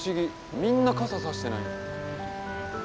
みんな傘差してない。